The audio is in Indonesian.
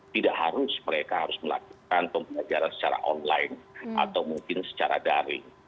tidak harus mereka harus melakukan pembelajaran secara online atau mungkin secara daring